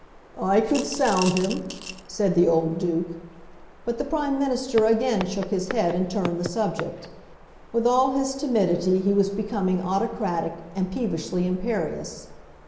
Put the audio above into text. "I could sound him," said the old Duke. But the Prime Minister again shook his head and turned the subject. With all his timidity he was becoming autocratic and peevishly imperious.